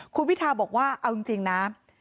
คุณพิทาบอกว่าเอาจริงนะ